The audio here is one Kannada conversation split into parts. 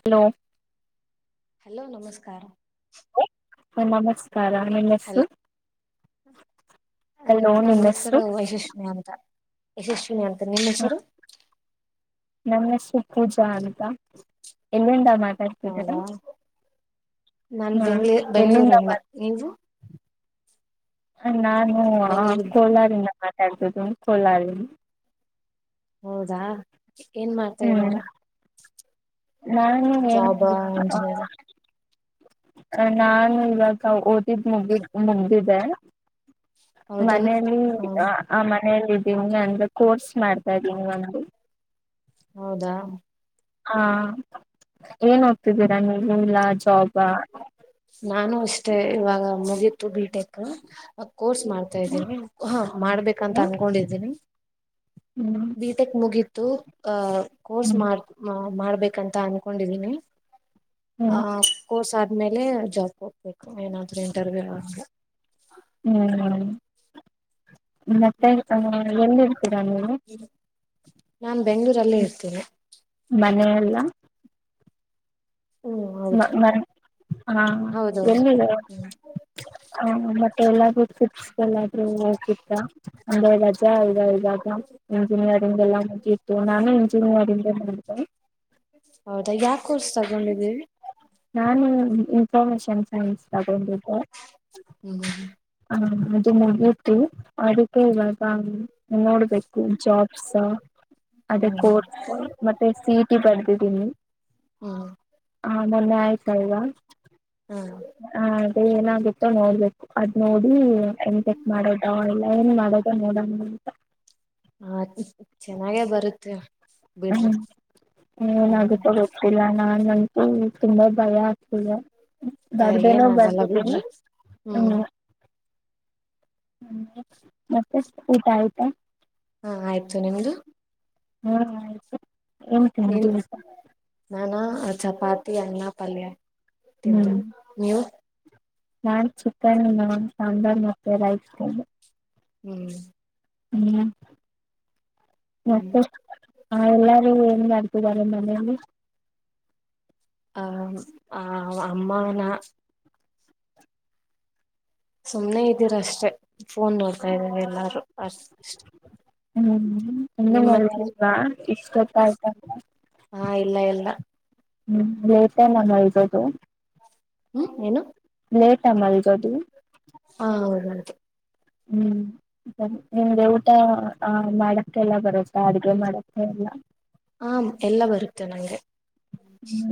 ಹಲೋ ಹಲೋ ನಮಸ್ಕಾರ [unintelligible] ಹ ನಮಸ್ ನಮಸ್ಕಾರ ನಿಮ್ಮಹೆಸ್ರು ಹಲೋ ಹಲೋ ನನ್ನ ನಿಂಹೆಸ್ರು ಹೆಸರು ಯಶಸ್ವಿನಿ ಅಂತ ಯಶಸ್ವಿನಿ ಅಂತ ನಿಮ್ ಹೆಸರು ನನ್ನ ಹೆಸರು ಪೂಜಾ ಅಂತ ಎಲ್ಲಿಂದ ಮಾತಾಡ್ತಿದ್ದೀರಾ ಹೌದಾ ನಾನ್ ಹಾ ಬೆಂಗ್ ಎಲ್ಲಿಂದ ಬೆಂಗಳೂರಿಂದ ಮಾತ ನೀವು ನಾನು ಬೆಂಗ್ಳೂರು ಕೋಲಾರಿಂದ ಮಾತಾಡ್ತ ತು ಕೊಲ [unintelligible] ಹೌದಾ ಏನ್ ಮಾಡ್ತಾ ಹ್ಮ್ ಇದ್ದಾರ ನಾನು ಜಾಬ್ ಆ ಇಂಜಿನಿಯರ್ ಅ ನಾನು ಇವಾಗ ಓದಿದ್ ಮುಗಿದ ಮುಗ್ದಿದ್ದೆ ಹೌದನ್ ಮನೇೆಯಲ್ಲಿ ಹ್ಮ ಆ ಮ ಹೇಳಿದ್ದೀನ ಅಂದ್ರೆ ಕೋರ್ಸ್ ಮಾಡ್ತಾ ಇದ್ದೀನಿ ಒಂದು ಹೌದಾ ಹಾ ಏನ್ ಓದುತ್ತಿದ್ದೀರಾ ನೀವು ಇಲ್ಲಾ ಜಾಬ ಮುಗಿತ್ತು ಬೀಟೆಕ್ ಕೋರ್ಸ್ ಮಾಡ್ತಾ ಇದೀನಿ ಹಾ ಮಾಡ್ಬೇಕಂತ ಹ್ಮ್ ಅನ್ಕೊಂಡಿದ್ದೀನಿ ಹ್ಮ್ ಬಿಟೆಕ್ ಮುಗೀತು ಹ ಕೋರ್ಸ್ ಹ್ಮ್ ಮಾಡ್ ಮಾಡ್ ಬೇಕ್ ಅಂತ ಅನ್ಕೊಂಡಿದೀನಿ ಹ್ಮ್ ಆ ಕೋರ್ಸ್ ಆದ್ಮೇಲೆ ಜಾಬ್ ಹ್ಮ ಏನಾದ್ರೆ ಇಂಟರ್ವ್ಯೂ ಹ್ಮ್್ಮ ಮತ್ತೆ ಹಾ ಎಲ್ಲಿರ್ತೀರಾ ನೀವು ನಾನ್ ಬೆಂಗಳೂರಲ್ಲೇ ಇರ್ತೀನಿ ಮನೆಲ್ಲಾ ಹ್ಮ್ ಮ ಹೌದು ಮ ಹಾ ಹೌದೌದು ಎಲ್ಲಿ ಹ ಹ್ಮ್ ಮತ್ತೆ ಎಲ್ಲಾದ್ರೂ ಚಿಪ್ಸ್ ಎಲ್ಲಾದ್ರೂ ಆಕಿತ್ತ ಅಂದ್ರೆ ರಜಾ ಇವಾಗ ಇಂಜಿನಿಯರಿಂಗ್ ಎಲ್ಲ ಮುಗೀತು ನಾನೇ ಇಂಜಿನಿಯರಿಂಗ್ ಹ ಹೌದಾ ಯಾ ಕೋರ್ಸ್ ತಗೊಂಡಿದ್ದೀರಿ ನಾನು ಇನ್ಫಾರ್ಮೇಶನ್ ಸೈನ್ಸ್ ತಗೊಂಡಿದ್ದೆ ಹ್ಮ ಹ್ಮ್ಮ ಹ ಅದು ಮುಗೀತು ಅದಕ್ಕೆ ಇವಾಗ ನೋ ಜಾಬ್ಸ್ ಅದೇ ಹ್ಮ್ ಕೋರ್ಸ್ ಮತ್ತೆ ಸಿಇಟಿ ಬರ್ಬೇ ಹನ್ನು [inaudible] ಹಾ ಮೊನ್ನೆ ಆಯ್ತಲ್ವ ಹ್ಮ ಏನಾಗುತ್ತೋ ನೋಡ್ಬೇಕು ಅದ್ ನೋಡಿ ಏನ್ ಚೆಕ್ ಮಾಡೋದ ಇಲ್ಲ ನೋಡ ನೋಡ ಮಂತ ಹಾ ಚೆನ್ನಾಗೇ ಬರುತ್ತೆ ಹ್ಮ್ ಬಿಡ್ರಿ ಹ್ಮ್ ಏನಾಗುತ್ತಾ ಗೊತ್ತಿಲ್ಲ ನಾ [unintelligible] ತುಂಬಾ ಭಯ ಆಗ್ತಿದೆ ಏನ್ ಬರದೇನೋ ಆಗಲ್ಲ ಬಿಡ್ರಿ ಬರ್ದಿನಿ ಹ್ಮ್ ಹ್ಮ ಮತ್ತೆ ಊಟ ಆಯ್ತಾ ಹಾ ಆಯ್ತು ನಿಮ್ದ ಹ್ಮ್ ಆಯ್ತು ಏನ್ ತಿಂದ್ರಿ ಊಟ ನಾನಾ ಅ ಚಾಪಾತಿ ಅನ್ನ ಪಲ್ಯ ತಿ ಹ್ಮ್ ನೀವು ನಾನ್ ಚಿಕನ್ ನ ಸಾಂಬಾರ್ ಮತ್ತೆ ರೈಸ್ ಹ್ಮ್ ಇನ್ನ ಹ್ಮ್ ಮತ್ತೆ ಹಾ ಎಲ್ಲಾರು ಏನ್ ಮಾಡ್ತಿದ್ದರೆ ಮನೆಲಿ ಹ ಆ ಅಮ್ಮಾನಾ ಸುಮ್ನೆ ಇದ್ದೀರ್ ಅಷ್ಟೇ ಫೋನ್ ನೋಡ್ತಾ ಇದಾರೆ ಎಲ್ಲಾರೂ ಅ ಹ್ಮ್ ಇನ್ನೂ ಮಲಗಿಲ್ವಾ ಇಸ್ಟೊತಾಯ್ ಹಾ ಇಲ್ಲ ಇಲ್ಲ ಹ್ಮ್ ಲೇಟ್ ಯೇ ನ ಮಲಗೋದು ಹ್ಮ್ ಏನು ಲೇಟ್ ಅ ಮಲ್ಗೋದು ಹಾ ಹೌದ್ ಹೌದ್ ಹ್ಮ್ ಸರಿ ನಿಮ್ಗೆ ಊಟ ಆ ಮಾಡಕ್ಕೆ ಎಲ್ಲ ಬರುತ್ತಾ ಅಡ್ಗೆ ಮಾಡಕ್ಕೆ ಎಲ್ಲ ಹ ಎಲ್ಲ ಬರುತ್ತೆ ನಂಗೆ ಹ್ಮ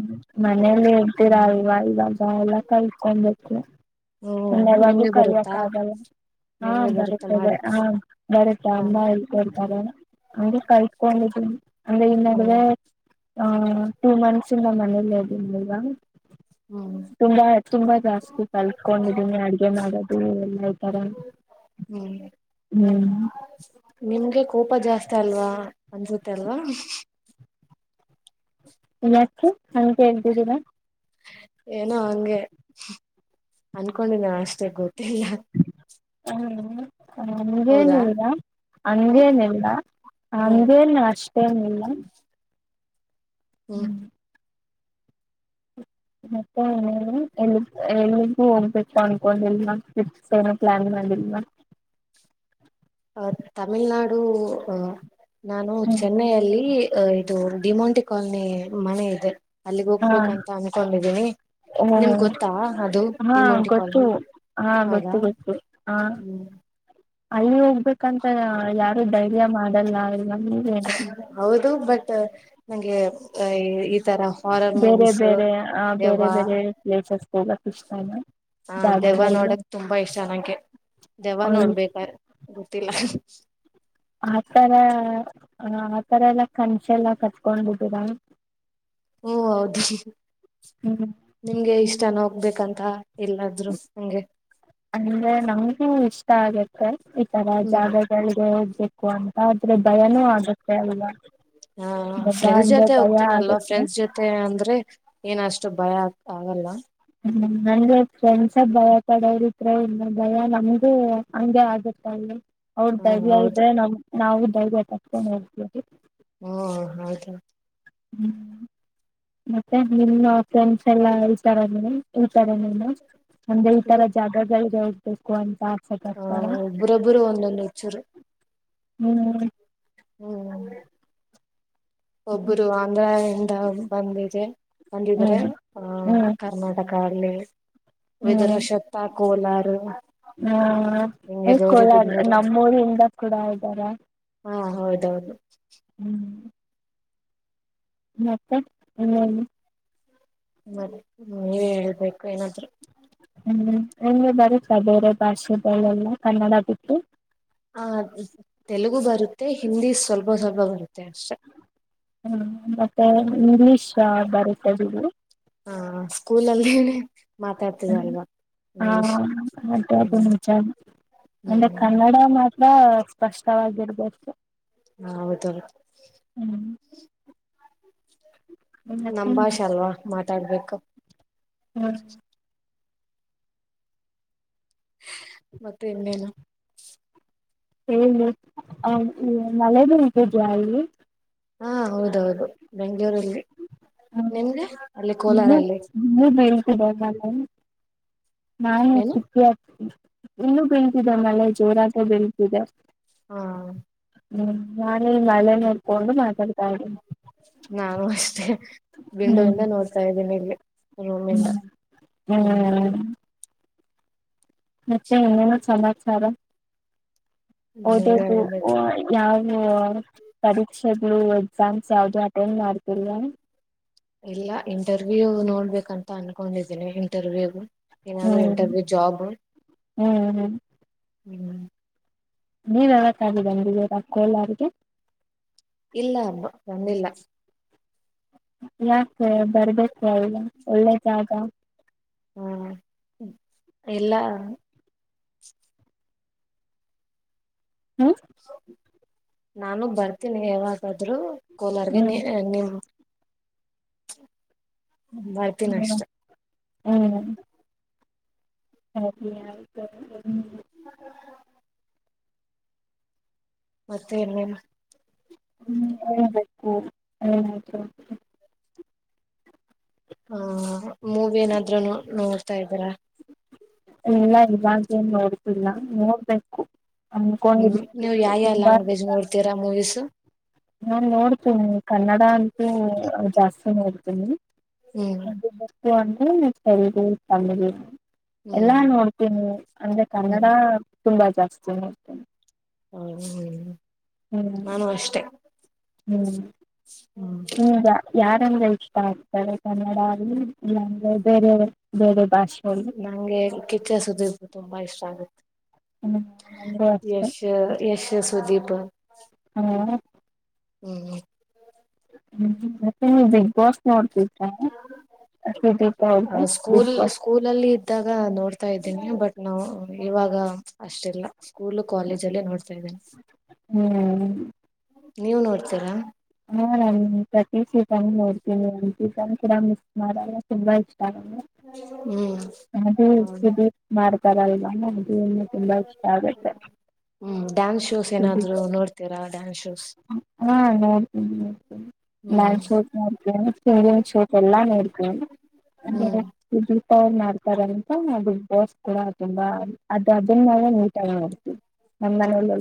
ಮನೇೆಯಲ್ಲಿ ಹೇಳ್ತೀರಾ ಇವ [unintelligible] ಕಲ್ತ್ಕಬೇಕು ಹ್ಮ್ ಇನ್ ಯಾವಾಗು ನಿಮ್ಗೆ ಬರುತ್ತಾ ಕಲಿಯಕ್ ಆಗಲ್ಲ ಹಾ ನಿಮ್ಗೆ ಬರುತ್ತೆ ಬರುತ್ತದೆ ಮಾಡಕ್ಕೆ ಹಾ ಬರುತ್ತೆ ಹಾ ಅಮ್ಮ ಹೇಳ್ಕೊಳ್ತಾರೆ ಅಂಗೆ ಕಲ್ತ್ಕೊಂಡ ಹ್ಮ ಅಂದ್ರೆ ಈ ಹ್ಮ್ ನಡುವೆ ಆ ಸಿನ [unintelligible] ಮನೆಯೆಲ್ಲಿದೀನಿ ಈಗ ಹ್ಮ್ ತುಂಬಾ ತುಂಬಾ ಜಾಸ್ತಿ ಕಲ್ತ್ಕೊಂಡಿದೀನಿ ಅಡಗೆ ಮಾಡೋದು ಎಲ್ಲ ಈ ತರ ಹ್ಮ್ ಹ್ಮ್ ನಿಮ್ಗೆ ಕೋಪ ಜಾಸ್ತ್ ಅಲ್ವಾ ಅನ್ಸುತ್ತೆ ಅಲ್ವಾ ಯಾಕೆ ಹಂತ ಅಂಗ್ ಕೇಳ್ತಿದೀರಾ ಏನೋ ಹಂಗೆ ಅನ್ಕೊಂಡಿದೆ ಅಷ್ಟೇ ಗೊತ್ ಹ್ಮ ಹೌದಾ ಹಂಗೇನಿಲ್ಲ ಹ್ಮ್ ಹಂಗೇನಿಲ್ಲ ಹ್ಮ್ ಹಂಗೇನ್ ಅಷ್ಟ್ ಅಷ್ಟೇನಿಲ್ಲ ಹ್ಮ್ ಮತ್ತೆ ಎಲ್ಲಿ ಎಲ್ಲಿಗೂ ಹೋಗ್ಬೇಕು ಅನ್ಕೊಂಡಲ್ ಟ್ರಿಪ್ಸ್ ಏನ ಪ್ಲಾನ್ ಮಾಡಲ್ ಮ ಅ ತಮಿಳ್ನಾಾಡು ನಾನು ಚೆನ್ನೈಯಲ್ಲಿ ಅ ಇದು ಡಿಮೋಂಟಿ ಕಾಲನಿ ಮನೆ ಇದೆ ಅಲ್ಲಿಗ್ ಹಾ ಹೋಗ್ಬೇಕಂತ ಅನ್ಕೊಂಡಿದೀನಿ ಓ ನಿಮ್ಗೆ ಗೊತ್ತಾ ಅದು ಹಾ ಡಿಮಂಟಿಿಕಲ್ ಗೊತ್ತು ಹಾ ಗೊತ್ತು ಆದಾ ಗೊತ್ತು ಹ ಹ್ಮ್ ಅಲ್ಲಿ ಹೋಗ್ಬೇಕಂತ ಯಾರು ಧೈರ್ಯ ಮಾಡ ಹೌದು ಬಟ್ ನಂಗೆ ಆ ಬೇರೆ ಬೇರೆ ಆ ದೆವ್ವ ಬೇರೆ ಬೇರೆ ಪ್ಲೇಸಸ್ಗೆ ಹೋಗುತ್ತೆ [unintelligible] ಹ ದೆವ ನೋಡಕ್ ತುಂಬಾ ಇಷ್ಟ ನಂಗೆ ದೆವ ನೋಡ್ಬೇಕ ಗತ್ತಲ್ಲ ಅತಾರ ಹ ಆತರ ಎಲ್ಲಾ ಕನ್ಸ ಎಲ್ಲ ಕತ್ಕೊಂಡ್ಬಿಟ್ಟರ ಹ್ಮ ಹೌದು ಹ್ಮ್ ನಿಮ್ಗೆ ಇಷ್ಟ ನ ಆಗ್ಬೇಕಂತ ಅಂದ್ರೆ ನಮಗೆ ಇಷ್ಟ ಇಷ್ಟ ಆಗುತ್ತೆ ಈ ತರ ಹ್ಮ್ ಜಾಗ ಜಗೆ ಹೋಗ್ಬೇಕ ಹ ಅಂತ ಆದ್ರೆ ಭಯನೂ ಆಗತ್ತೆ ಅಲ್ವಾ ಹಾ ಭಯ ಫ್ರೆಂಡ್ಸ್ ಅಂದ್ರೆ ಜೊತೆ ಭಯ ಹೋಗ್ತೀನಲ್ವಾ ಆಗತ್ತೆ ಫ್ರೆಂಡ್ಸ್ ಜೊತೆ ಅಂದ್ರೆ ಏನಷ್ಟು ಭಯ ಆಗ್ತ ಆಗಲ್ಲ ಹ್ಮ ಅಂದ್ರೆ ಫ್ರೆಂಡ್ಸ ಭಯ ಕಡೆ ಇಿದ್ರ ಇಲ್ಲ ಭಯ ನಮಗೂ ಹಂಗಗೆ ಆಗುತ್ತ ಅಲ್ಲಿ ಅವ್ರ ಹ್ಮ ಧೈರ್ಯ ಹೌದು ಇದ್ರೆ ನಮ ನಾವು ಧೈರ್ಯ ತಕ್ ಹೋಗಡ್ತೇವಿ ಹ್ಮ ಹ್ಮ್ ಮತ್ತೆ ನಿಮ್ಮ ಫ್ರೆಂಡ್ಸ್ ಎಲ್ಲಾ ಹೇಳ್ತಾರ ಹಳ್ತಾರೆ ನೀನು ಅಂದ್ರೆ ಈ ತರ ಜಾಗಗಳಿಗೆ ಹ ಬೇಕು ಅಂತ ಆಸೆ ಹ ಪಡ್ತಾರಾ ಒಬ್ಬರೊಬ್ಬರು ಒಂದೊಂದು ಹೆಚ್ಚೂರು ಹ್ಮ್ ಹ್ಮ್ ಒಬ್ಬರು ಅಂದ್ರ ಬಂದಿದೆ. ಬಂದಿದ್ರೆ ಹ್ಮ್ ಆ ಹ್ಮ್ ಕರ್ನಾಟಕ ಅಲ್ಲಿ. ಹ್ಮ್ ವಿದುರಶತ್ತ ಕೋಲಾರ ಹಿಂಗೆ ಹ್ಮ ಗೌರಿಬಿದನೂರು ನಮ್ಮೂರಿಂದ ಕೂಡ ಇದ್ದಾರ ಹಾ ಹೌದೌದು ಹ್ಮ್. ಮತ್ತೆ ಇನ್ನೇನು. ಮತ್ತೆ ನೀವ ಹೇಳ್ಬೇಕುಏನಾದ್ರು. ಹ್ಮ್ ನಿಮಗೆ ಬರುತ್ತಾ ಬೇರೆ ಭಾಷೆಗಳೆಲ್ಲಾ ಕನ್ನಡ ಬಿಟ್ಟು. ಹ ತೆಲುಗು ಬರುತ್ತೆ ಹಿಂದಿ ಸ್ವಲ್ಪ ಸ್ವಲ್ಪ ಬರುತ್ತೆ. ಅಷ್ಟೇ ಹ್ಮ್. ಇಂಗ್ಲೀಷಾ ಬರುತ್ತೆ ಬಿಡಿ. ಹಾ ಸ್ಕೂಲ್ ಅಲ್ಲಿನೆ. ಹ ಹ ಅದೇ ಅದೇ ಹ್ಮ್ ನಿಜನೆ ಅಂದೆ ಹ್ಮ್ ಕನ್ನಡ ಮಾತ್ರ. ಸ್ಪಷ್ಟವಾಗಿರಬೇಕು. ಹಾ ಹೌದ ಹೌದು. ಮತ್ತೆ ನಮ್ ಭಾಷೆ ಅಲ್ವಾ ಮಾತಾಡ್ಬೇಕು ಹ ಹ್ಮ ಮತ್ತೆ ಇನ್ನೇನು ಹೇಳಿ ಮಳನತಿದ ಅಲ್ಲಿ ಹಾ ಹೌದೌದು ಬೆಂ ೂಲ್ಲಿ ಹ್ಮ್ ನಿಮಗೆ ಅಲ್ಲಿ ಇನ್ನೂ ಕೋಲಾರಲ್ಲಿ ಇನ್ನೂ ನ ನಾ ಏನು ತಿಿ ಅ [inaudible] ಇನ್ನುೂ ಬೆಳತಿದೆ ಮಳೆ ಜೋರಾಗೆ ಬೀಳತಿದೆ ಹಾ ಹ್ಞೂ ನಾನೇ ಮಳೆ ನೋಡ್ಕೊಂಡು ಮಾತಾಡ್ನಿ ನಾನು ಅಷ್ಟೇ ವಿಂಡೋ ಹ್ಮ್ ಇಂದ ನೋಡುತ್ತಿದ್ದೇನೆ ಇಲ್ಲಿ ಹ್ಮ್ ರೂಮಿಂದ ಹ್ಮ್ ಮತ್ತೆ ಇನ್ನೇನು ಸಮಾಚಾರ ನೀವ ಓದೋದು ಹೇಳ್ಬೇಕು ಯಾವ ಹ್ಮ ಪರೀಕ್ಷೆಗಳು ಎಕ್ಸಾಮ್ಸ್ ಯಾವವು್ದು ಅಟೆಂಡ್ ಮಾಡ್ತಿಲ್ವಾ ಇಲ್ಲ ಇಂಟರ್ವ್ಯೂ ನೋಡ್ಬೇಕಂತ ಅನ್ಕೊಂಡಿದ್ದೀನಿ ಇಂಟರ್ವ್ಯೂ ಏನಾದ್ರು ಹ್ಮ್ ಜಾಬ್ ಹ್ಮ್ ಹ್ಮ್ ಹ್ಮ್ ನೀವು ಯಾವತ್ತಾದರೂ ಬಂದಿದ್ದೀರ ಕೋಲಾರ್ಗೆ ಇಲ್ಲ ಬಂದಿಲ್ಲ ಯಾಕೆ ಬರ್ಬೇಕು ಅಲ್ಲ ಒಳ್ಳೆ ಜಾಗ ಹ್ಮ ಇಲ್ಲ ಹ್ಮ ನಾನುಗ್ ಬರ್ತೀನಿ ಯಾವಾಗಾದ್ೂ ಕೋಲಾರಗೆ ನೀ ಹ್ಮ್ ನಿಮ್ [inaudible] ಬರ್ತೀನಿ ಹ್ಮ್ ಅಷ್ಟ ಹ್ಮ್ ಹ [unintelligible] [inaudible] ಮತ್ತೆ ಇನೇನು ಹ್ಮ್ ಹ್ಮ ಹ್ಮ್ ಏನಾಯ್ತು ಹಾ ಮೂವಿ ಏನಾದ್ರು ನೋಡ್ತಾ ಇದೀರಾ ಇಲ್ಲ ಇವಾಗೇನ್ ನೋಡ್ತಿಿಲ್ಲ ನೋಡ್ಬೇಕು ಹ್ಮ್ ಅನ್ಕೊಂಡಿದೀನಿ ನೀವು ತುಂಬ ಯಾವ ಯಾವ ತುಂಬಾ ಲ್ಯಾಂಗ್ವೇಜ್ ನೋಡ್ತೀರಾ ಮೂವೀಸು ನಾನ್ ನೋಡ್ತೀನಿ ಕನ್ನಡ ಅಂತೂ ಜಾಸ್ತಿ ನೋಡ್ತೀನಿ ಹ್ಮ್ ಹ [unintelligible] ತೆಲುಗು ತಮಿಳ್ [unintelligible] ಎಲ್ಲಾ ಹ್ಮ್ ನೋಡ್ತೀನಿ ಅಂದ್ರೆ ಕನ್ನಡ ತುಂಬಾ ಜಾಸ್ತಿ ನೋಡ್ತೇನೆ ಹ ಹ್ಮ್ ನಾನು ಅಷ್ಟೆ ಹ್ಮ್ ಹ್ಮ ಚೆ ಇಷ್ಟ ಆಗ್ತದೆ ಕನ್ನಡ [unintelligible] ಬೇರೆ ಬೇರೆ ಭಾಷೆಯಲ್ಲಿ ನಂಗೆ ಕಿಚ್ಚ ಸುದೀಪ್ ತುಂಬಾ ಇಷ್ಟ ಆಗುತ್ತೆ ಹ್ಮ್ ನಂಗೂ ಅಷ್ಟೇ ಯಶ ಯಶ್ ಸುದೀಪ್ ಹ್ಮ ಹ್ಮ್ ಹ್ಮ್ ಮತ್ತೆ ನೀ ಬಿಗ್ ಬಾಸ್ ನೋಡ್ತ ಆ ಬಿಗ್ ಸ್ಕೂಲ್ ಬಾಸ್ ಸ್ಕೂಲಲ್ಲಿ ಇದ್ದಾಗ ನೋಡ್ತಾ ಇದ್ದೀನಿ ಬಟ್ ನಾವು ಇವಾಗ ಅಷ್ಟಿಲ್ಲ ಸ್ಕೂಲ್ ಕಾಲೇಜ ಅಲ್ಲೇ ನೋಡ್ತಾ ಇದ್ದೇನೆೆ ಹ್ಮ್ ನೀವು ನೋಡ್ತೀರಾ ಹಾ ನಾನ ಪ್ರತಿ ಸೀತನ್ ನೋಡ್ತೀನಿ ನ ಸೀತನ್ ಕೂಡ ಮಿಸ್ ಮಾಡಲ್ಲ ತುಂಬಾ ಇ ಹ್ಮ್ ಅದು [unintelligible] ಮಾರ್ ತರ ಇಲ್ಲ ತುಂಬಾ ಇಷ್ಟ ಆಗುತ್ತೆ ಹ್ಮ್ ಡ್ಯಾನ್ಸ್ ಶೋಸ್ ಏನಾದ್ರು ನೋಡ್ತೀರಾ ಡ್ಯಾನ್ಸ್ ಶೋಸ್ ಹಾ ನೊ ಹ್ಮ ಹ್ಮ್ ನಾನ್ ಚೋಟ್ ಮಾಡ [unintelligible] ಚೋಟ್ ಎಲ್ಲಾ ಮಾಡೇಡ್ತ ಹ್ಮ್ ಅವ್ ಮಾಡ್ತಾರ ಅಂತ ನಾ ಬಿಗ್ ಬಾಸ್ ಕೂಡ ತುಂಬಾ ಅದು ಅದನ್ನಾವ ನೀಟಾಗಿ ನೋಡ್ತೀವಿ ನಮ್ಮ್ ಮನಲಿ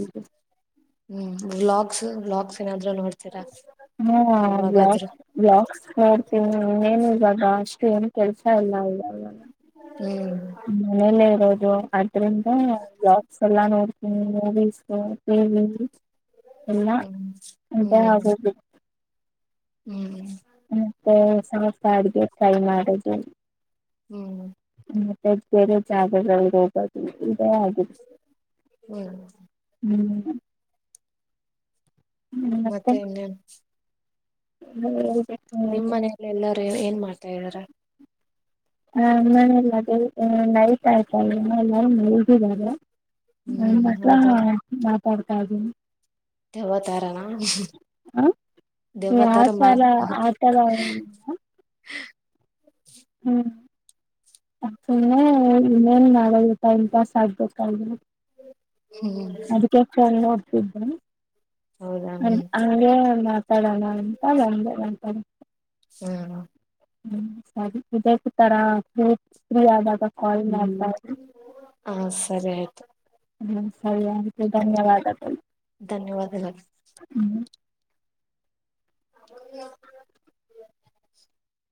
ಹ್ಮ್ ಬ್ಲಾಗ್ಸ್ ವ್ಲಾಗ್ಸ್ ಏನಾದ್ರು ನೋ ಹಾ ಬ್ಲಾಕ್ ಬ್ಲಾಕ್ಸ್ ಮಾಡ್ತೀ ನಿನ್ನೇನು ಇವಾಗ ಅಷ್ಟು ಏನ್ ಕೆಲಸ ಇಲ್ಲ ಅಲ್ವಾ [unintelligible] ಮನೇಲೆ ಇರೋದು ಜೊ ಅ್ರಂದ ಲಾಕ್ಸ್ ಎಲ್ಲಾ ನೋಡ [unintelligible] ಎಲ್ಲ ಹ್ಮ್ ಅಂತ ಹ್ಮ್ ಆಗುದು ಹ್ಮ್ ಮತ್ತೆ ಸ್ವಲ್ಪ ಅಡ್ಿಗೆ ಟ್ರೈ ಮಾಡುದು [unintelligible] ಹ್ಮ್್ಮ ಮತ್ತೆ ಬೇರೆ ಜಾಗ ಹೋಗ ಹ್ಮ್ ಹ್ಮ್ ಮತ್ತೆ ಇನ್ನೇನ್ ಹ್ಮ್ ನಿಮ್ ಮನಲ್ಲ ಎಲ್ಲಾರು ಏನ್ ಮಾಡ್ತಾರೆ ಇದರೆ ಹ ನಮ್ಮಲ್ಲಿ ನೈಟ್ ಆಯ್ತಲ್ಲ ಮಲ್ಗಿದಾರೆ [unintelligible] [unintelligible] ನನ್ ಹ್ಮ್ ಮಗ ಕೊಡ್ತದು ದೆ್ವತಾರಾನ ಹಾ ಯಾವ ದೆವತಾರ ತರ ಆತರ ಹ್ಮ್ ಆಕ್ಟುಲ್ಲಿ ಏನ್ ಮಾಡೋದು ಟೈಮ್ ಪಾಸ್ ಆಗ್ಬೇಕಾ ಹ್ಮ್ ಅದಕ್ಕೆ ಚಲ್ [unintelligible] ಹೌದಾ ಹ್ಮ್ [unintelligible] ಮಾತಡಣಂತ ಹಾ ಹ್ಮ್ ಸರಿ ಇದೇತರ ಫ್ರೀ ಆದಾಗ ಕಾಲ್ ಮಾಡ್ತಾ ಹಾ ಸರಿ ಆಯ್ತು ಇರಿ ಸರಿ ಹಾಗಿದ್ರೆ ಧನ್ಯವಾದದ ಧನ್ಯವಾದಗಳು ಹ್ಮ [unintelligible]